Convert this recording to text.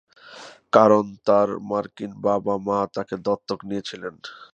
কারণ তার মার্কিন বাবা মা তাকে দত্তক নিয়েছিল।